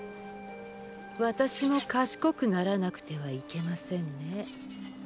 私も賢くならなくてはいけませんね。